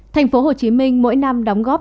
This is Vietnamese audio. thành phố hồ chí minh mỗi năm đóng góp